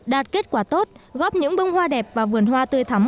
đạt kết quả tốt góp những bông hoa đẹp và vườn hoa tươi thắm